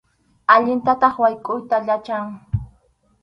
Allintataq waykʼuyta yachan.